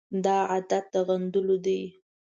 دا عادت د غندلو دی.